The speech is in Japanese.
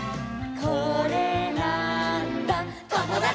「これなーんだ『ともだち！』」